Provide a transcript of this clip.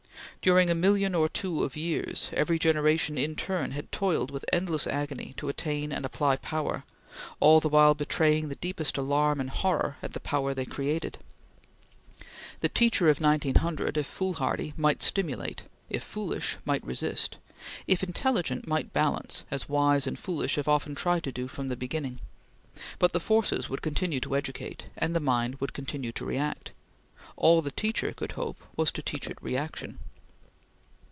During a million or two of years, every generation in turn had toiled with endless agony to attain and apply power, all the while betraying the deepest alarm and horror at the power they created. The teacher of 1900, if foolhardy, might stimulate; if foolish, might resist; if intelligent, might balance, as wise and foolish have often tried to do from the beginning; but the forces would continue to educate, and the mind would continue to react. All the teacher could hope was to teach it reaction.